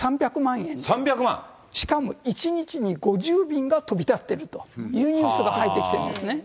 しかも１日に５０便が飛び立ってるというニュースが入ってきていますね。